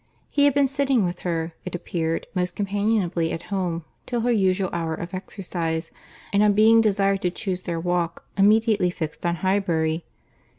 He had been sitting with her, it appeared, most companionably at home, till her usual hour of exercise; and on being desired to chuse their walk, immediately fixed on Highbury.